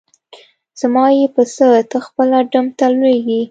زما یی په څه؟ ته خپله ډم ته لویږي.